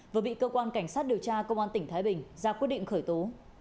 vừa bị cơ quan cảnh sát điều tra công an tỉnh thái bình ra quyết định khởi tố